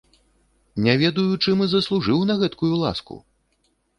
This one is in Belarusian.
Не ведаю, чым і заслужыў на гэткую ласку?